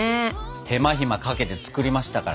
手間暇かけて作りましたから。